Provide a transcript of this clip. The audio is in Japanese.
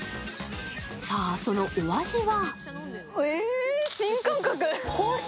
さあそのお味は？